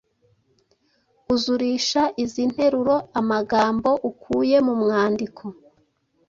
Uzurisha izi nteruro amagambo ukuye mu mwandiko: